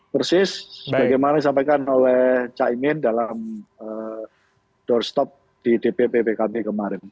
persis sebagaimana sampaikan oleh caimin dalam doorstop di dpb bkb kemarin